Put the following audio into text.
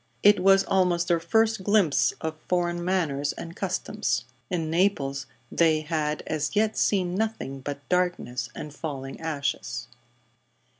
It was almost their first glimpse of foreign manners and customs. In Naples they had as yet seen nothing but darkness and falling ashes.